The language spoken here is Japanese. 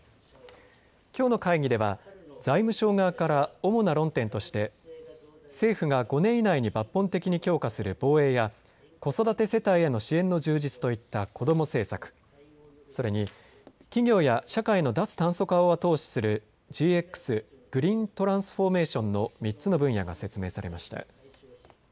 きょうの会議では財務省側から主な論点として政府が５年以内に抜本的に強化する防衛や子育て世帯への支援の充実といったこども政策、それに企業や社会の脱炭素化を後押しするＧＸ・グリーントランスフォーメーションの３つの分野が説明されました。